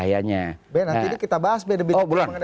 bek nanti kita bahas bek